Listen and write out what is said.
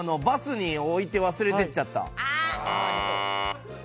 バスに置いて忘れていっちゃった。